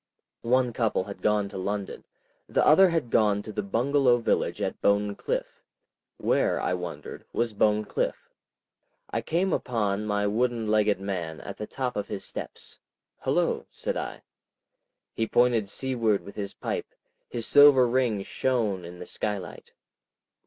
One couple had gone to London; the other had gone to the Bungalow village at Bone Cliff. Where, I wondered, was Bone Cliff? I came upon my wooden legged man at the top of his steps. "Hullo," said I. He pointed seaward with his pipe, his silver ring shone in the sky light.